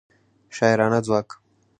شاعرانه ځواک